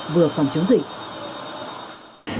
vừa phòng chống dịch